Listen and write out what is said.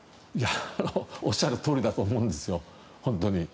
おっしゃるとおりだと思うんですよ。